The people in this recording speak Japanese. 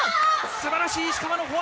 素晴らしい、石川のフォア。